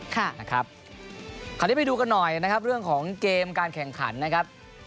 คราวนี้ไปดูกันหน่อยนะครับเรื่องของเกมการแข่งขันนะครับ